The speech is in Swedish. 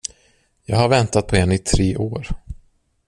Jag har väntat på en i tre år.